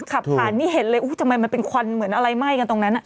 ขับผ่านนี่เห็นเลยทำไมมันเป็นควันเหมือนอะไรไหม้กันตรงนั้น